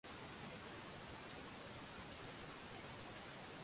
fasihi ya Kiswahili kukuza msamiati na kuwatia